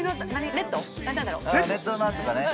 ◆レッド何とかね。